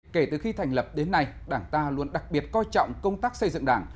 kể từ khi thành lập đến nay đảng ta luôn đặc biệt coi trọng công tác xây dựng đảng